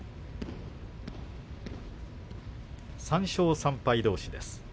３勝３敗どうし。